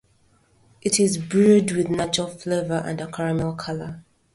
It is brewed with natural flavor and a caramel color.